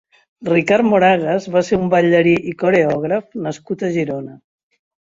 Ricard Moragas va ser un ballarí i coreògraf nascut a Girona.